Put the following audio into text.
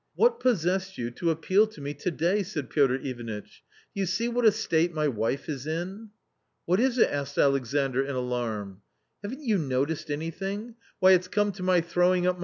" What possessed you to appeal to me to day ?" said Piotr Ivanitch. " Do you see w hat a state my wife is in.V ." What is i t ?" .a^JJBfc&lExandp ia alarm. " HSven't ^pu jjQticed anything? Why, its come to my throwing up